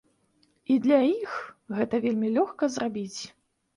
І для іх гэта вельмі лёгка зрабіць.